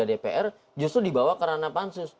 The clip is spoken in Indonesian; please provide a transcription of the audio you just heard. lalu dikontrol oleh komisi tiga dpr justru dibawa ke ranah pansus